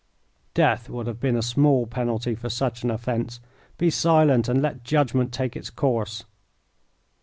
"Death would have been a small penalty for such an offence. Be silent and let judgment take its course."